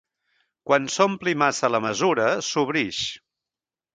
Quan s'ompli massa la mesura, sobreïx.